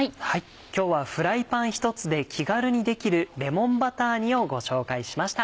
今日はフライパン１つで気軽にできるレモンバター煮をご紹介しました。